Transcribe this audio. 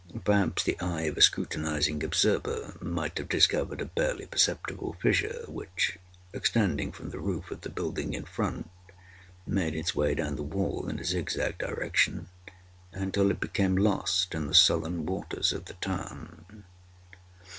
Perhaps the eye of a scrutinizing observer might have discovered a barely perceptible fissure, which, extending from the roof of the building in front, made its way down the wall in a zigzag direction, until it became lost in the sullen waters of the tarn.